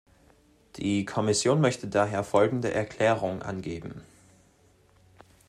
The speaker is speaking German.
Die Kommission möchte daher folgende Erklärung abgeben.